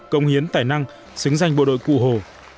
công hiến tài năng xứng danh bộ đội cụ hồ